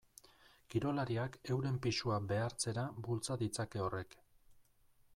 Kirolariak euren pisua behartzera bultza ditzake horrek.